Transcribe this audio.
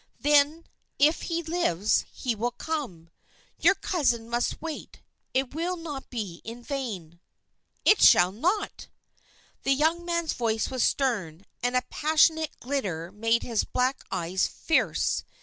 "Then, if he lives, he will come. Your cousin must wait; it will not be in vain." "It shall not!" The young man's voice was stern, and a passionate glitter made his black eyes fierce.